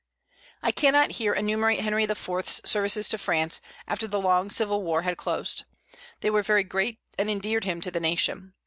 I cannot here enumerate Henry IV.'s services to France, after the long civil war had closed; they were very great, and endeared him to the nation.